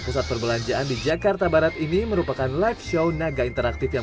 pusat perbelanjaan di jakarta barat ini merupakan live show naga interaktif yang